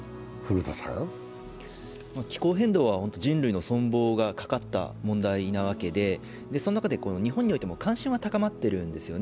気候変動は人類の存亡がかかった問題なわけで、その中で日本においても関心は高まっているんですね。